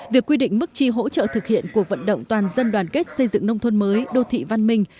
việc quy định mức chi hỗ trợ thực hiện cuộc vận động toàn dân đoàn kết xây dựng nông thôn mới đô thị văn minh